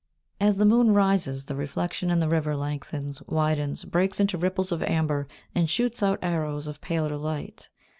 As the moon rises, the reflection in the river lengthens, widens, breaks into ripples of amber, and shoots out arrows of paler light.